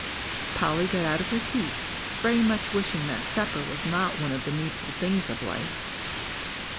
Polly got out of her seat, very much wishing that supper was not one of the needful things of life.